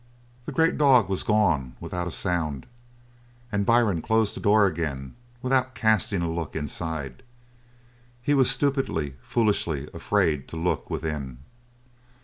The great dog was gone without a sound, and Byrne closed the door again without casting a look inside. He was stupidly, foolishly afraid to look within.